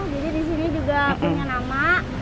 jadi di sini juga punya nama